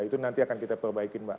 itu nanti akan kita perbaikin mbak